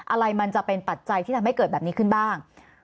อะไรมันจะเป็นปัจจัยที่ทำให้เกิดแบบนี้ขึ้นบ้าง